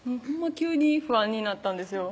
急に不安になったんですよ